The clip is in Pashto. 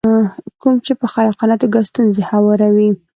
کوم چې په خلاقه توګه ستونزې هواروي.